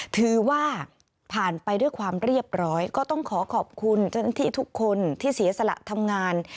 ถือว่าผ่านไปด้วยความเรียบร้อยก็ต้องขอขอบคุณเจ้าหน้าที่ทุกคนที่เสียสละทำงาน